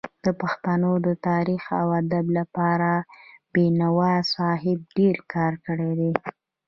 د پښتو د تاريخ او ادب لپاره بينوا صاحب ډير کار کړی دی.